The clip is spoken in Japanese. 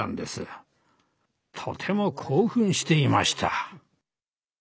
とても興奮していました。